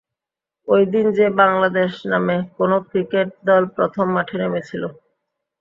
ওই দিনই যে বাংলাদেশ নামে কোনো ক্রিকেট দল প্রথম মাঠে নেমেছিল।